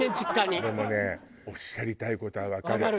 でもねおっしゃりたい事はわかる。